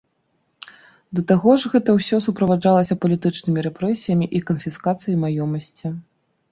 Да таго ж гэта ўсё суправаджалася палітычнымі рэпрэсіямі і канфіскацыяй маёмасці.